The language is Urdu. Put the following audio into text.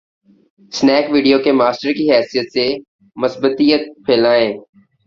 سنیک ویڈیو کے ماسٹر کی حیثیت سے ، مثبتیت پھیلائیں۔